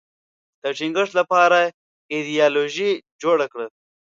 د ټینګښت لپاره ایدیالوژي جوړه کړي